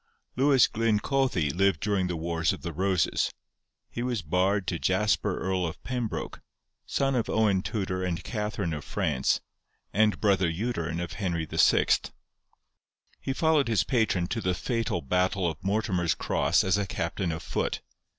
Lewis Glyn Cothi lived during the wars of the Roses. He was bard to Jasper Earl of Pembroke, son of Owen Tudor and Catharine of France, and brother uterine of Henry VI. He followed his patron to the fatal battle of Mortimer's Cross as a captain of foot.